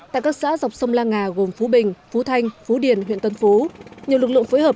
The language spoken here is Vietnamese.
tại các xã dọc sông lan ngà gồm phú bình phú thanh phú điền huyện tân phú nhiều lực lượng phối hợp